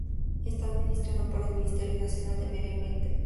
Está administrado por el Ministerio Nacional de Medio Ambiente.